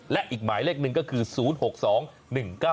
และอีกหมายเลขหนึ่งก็คือ๐๖๒๑๙๙